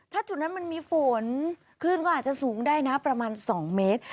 ถ้าจุดนั้นมันมีฝนคลื่นก็อาจจะสูงได้นะประมาณ๒เมตร